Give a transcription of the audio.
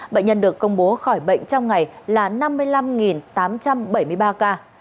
bệnh nhân được công bố khỏi bệnh trong ngày là năm mươi năm tám trăm bảy mươi ba ca